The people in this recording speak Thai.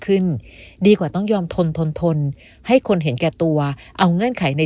ขึ้นดีกว่าต้องยอมทนทนทนให้คนเห็นแก่ตัวเอาเงื่อนไขใน